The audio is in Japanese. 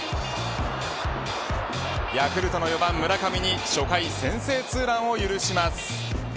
ヤクルトの４番、村上に初回、先制ツーランを許します。